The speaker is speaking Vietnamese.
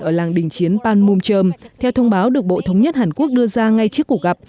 ở làng đình chiến panmunjom theo thông báo được bộ thống nhất hàn quốc đưa ra ngay trước cuộc gặp